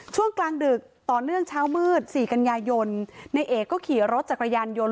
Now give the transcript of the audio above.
ช่วงกลางดึกต่อเนื่องเช้ามืดสี่กันยายนนายเอกก็ขี่รถจักรยานยนต์